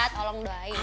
tolong doain ya